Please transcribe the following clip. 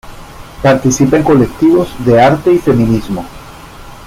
Participa en colectivos de arte y feminismo.